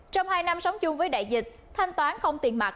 trong hai năm sống chung với đại dịch thanh toán không tiền mặt